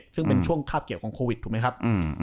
ซึ่งเป็นช่วงคาบเกี่ยวของโควิดถูกไหมครับ